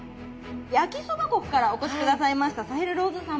焼きそば国からお越し下さいましたサヘル・ローズ様。